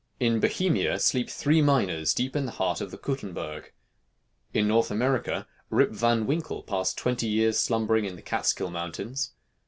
In Bohemia sleep three miners deep in the heart of the Kuttenberg. In North America Rip Van Winkle passed twenty years slumbering in the Katskill mountains.